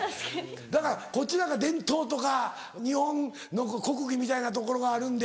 だからこっちなんか伝統とか日本の国技みたいなところがあるんで。